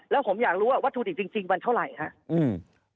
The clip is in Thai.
แล้วผมอยากรู้ว่าวัตถุดิบจริงมันเท่าไหร่ครับ